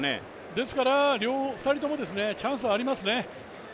ですから、２人ともチャンスはありますね。